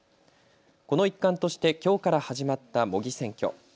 この一環としてきょうから始まった模擬選挙。